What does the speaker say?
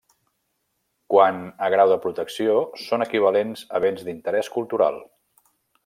Quant a grau de protecció són equivalents a béns d'interès cultural.